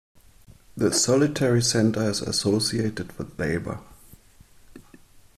The Solidary Center is associated with labor.